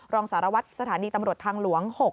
รองสารวัตรสถานีตำรวจทางหลวง๖